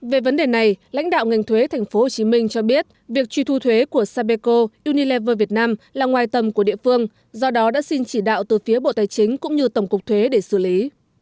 về vấn đề này lãnh đạo ngành thuế tp hcm cho biết việc truy thu thuế của sapeco unilever việt nam là ngoài tầm của địa phương do đó đã xin chỉ đạo từ phía bộ tài chính cũng như tổng cục thuế để xử lý